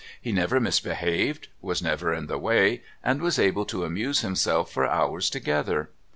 He never misbehaved, was never in the way, and was able to amuse himself for hours together.